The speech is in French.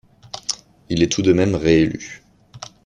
Il est tout de même réélu.